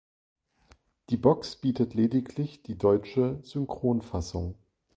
Die Box bietet lediglich die deutsche Synchronfassung.